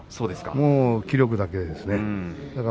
気力だけですね。